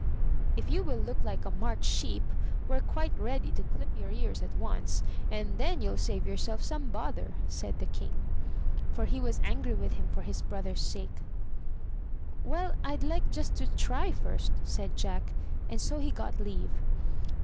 If you will look like a marked sheep, we* re quite ready to clip your ears at once, and then you'll save yourself some bother," said the King, for he was angry with him for his brothers' sake. 'Well, I'd like just to try first," said Jack, and so he got leave.